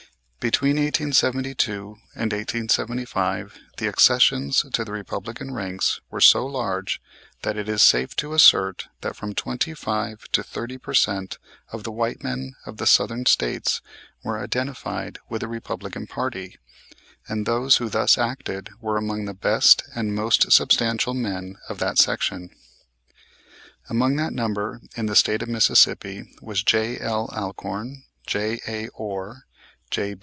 Between 1872 and 1875 the accessions to the Republican ranks were so large that it is safe to assert that from twenty five to thirty per cent of the white men of the Southern States were identified with the Republican party; and those who thus acted were among the best and most substantial men of that section. Among that number in the State of Mississippi was J.L. Alcorn, J.A. Orr, J.